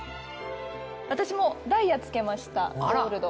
私もダイヤ付けましたゴールド。